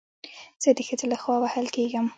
زه د ښځې له خوا وهل کېږم